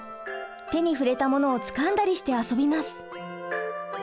手に触れたものをつかんだりして遊びます。